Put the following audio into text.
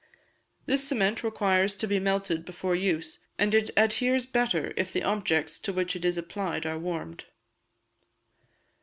This cement requires to be melted before use, and it adheres better if the objects to which it is applied are warmed.